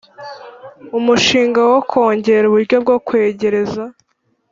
Umushinga wo kongera uburyo bwo kwegereza